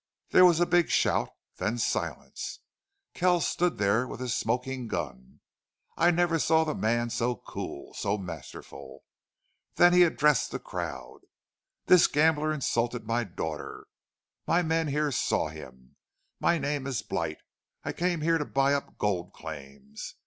There was a big shout, then silence. Kells stood there with his smoking gun. I never saw the man so cool so masterful. Then he addressed the crowd: 'This gambler insulted my daughter! My men here saw him. My name's Blight. I came here to buy up gold claims.